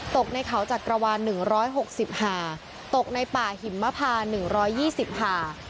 ตกในเขาจากกระวันหนึ่งร้อยหกสิบหาตกในป่าหิมมะพาหนึ่งร้อยยี่สิบหา